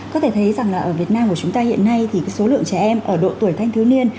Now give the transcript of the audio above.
có thể thấy rằng là ở việt nam của chúng ta hiện nay thì số lượng trẻ em ở độ tuổi thanh thiếu niên